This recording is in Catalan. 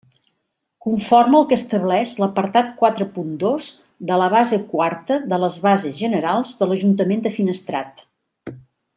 Conforme al que estableix l'apartat quatre punt dos de la base quarta de les bases generals de l'Ajuntament de Finestrat.